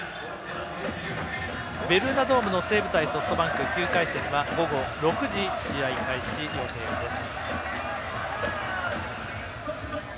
ベルーナドームの西武対ソフトバンク９回戦は午後６時試合開始予定です。